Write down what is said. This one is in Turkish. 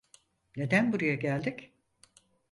Neden buraya geldik?